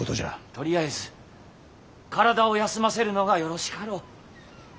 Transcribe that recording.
とりあえず体を休ませるのがよろしかろう。